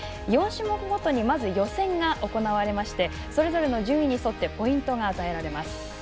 ４種目ごとにまず予選が行われましてそれぞれの順位に沿ってポイントが与えられます。